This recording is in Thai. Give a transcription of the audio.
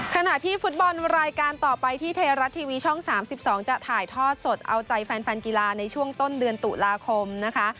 ขณะที่ฟุตบอลรายการต่อไปที่ไทยรัฐทีวีช่อง๓๒จะถ่ายทอดสดเอาใจแฟนกีฬาในช่วงต้นเดือนตุลาคมนะคะ